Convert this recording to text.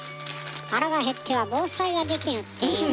腹が減っては防災ができぬっていうものねえ。